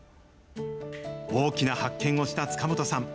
大きな発見をした塚本さん。